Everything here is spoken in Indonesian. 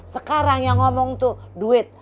sekarang yang ngomong itu duit